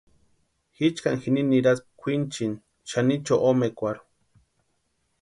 Jichkani jini niraspka kwʼinchini Xanicho omekwarhu.